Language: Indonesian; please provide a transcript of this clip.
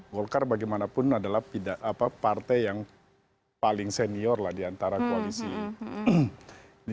golkar bagaimanapun adalah partai yang paling senior lah di antara koalisi